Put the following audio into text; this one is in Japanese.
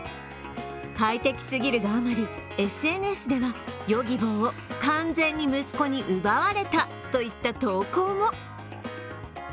快適すぎるあまり、ＳＮＳではＹｏｇｉｂｏを完全に息子に奪われたといった投稿も。